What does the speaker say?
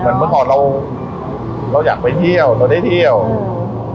เหมือนเมื่อก่อนเราเราอยากไปเที่ยวเราได้เที่ยวอืม